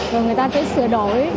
rồi người ta sẽ sửa đổi